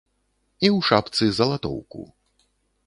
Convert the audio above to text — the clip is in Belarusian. І у шапцы залатоўку.